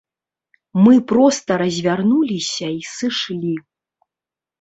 Мы проста развярнуліся і сышлі.